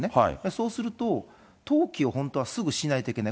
そうすると、登記を本当はすぐしないといけない。